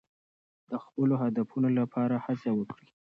د خپلو هدفونو لپاره هڅه وکړئ.